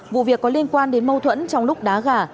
vụ việc có liên quan đến mâu thuẫn trong lúc đá gà